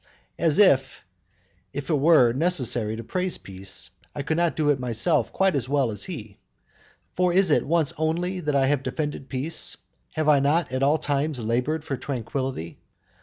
As if, if it were necessary to praise peace, I could not do it myself quite as well as he. For is it once only that I have defended peace? Have I not at all times laboured for tranquillity?